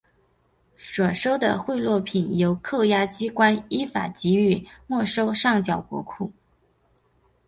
所收的贿赂品由扣押机关依法予以没收上缴国库。